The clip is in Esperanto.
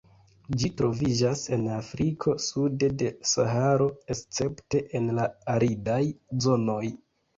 Ĝi troviĝas en Afriko sude de Saharo, escepte en la aridaj zonoj.